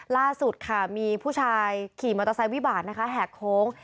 ล่าสุดค่ะมีผู้ชายขี่มอเตอร์ไซค์วิบาตนะคะแหกโค้ง